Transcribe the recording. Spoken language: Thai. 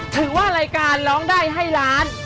ถือว่ารายการร้องได้ให้ล้าน